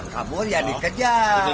kabur ya dikejar